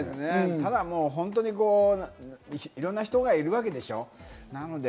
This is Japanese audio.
ただ、いろんな人がいるわけでしょう？